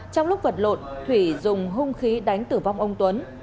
trong lúc vật lộn thủy dùng hung khí đánh tử vong ông tuấn